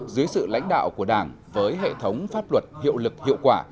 dưới sự lãnh đạo của đảng với hệ thống pháp luật hiệu lực hiệu quả